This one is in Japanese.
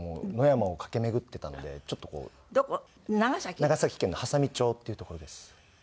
長崎県の波佐見町っていう所です。